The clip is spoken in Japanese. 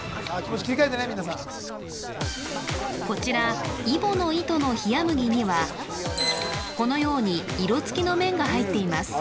こちら、揖保乃糸の冷や麦にはこのように色つきの麺が入っています